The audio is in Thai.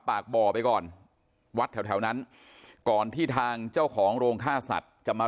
ปากบ่อไปก่อนวัดแถวแถวนั้นก่อนที่ทางเจ้าของโรงฆ่าสัตว์จะมา